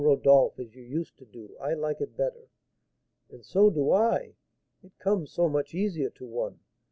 Rodolph, as you used to do; I like it better." "And so do I, it comes so much easier to one.